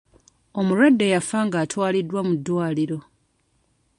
Omulwadde yafa nga atwaliddwa mu ddwaliro.